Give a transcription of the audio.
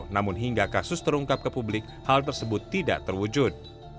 namun hingga kasus terungkap ke publik hal tersebut tidak terwujud